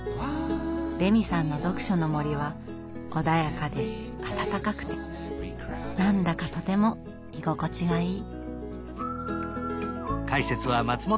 レミさんの読書の森は穏やかで温かくて何だかとても居心地がいい。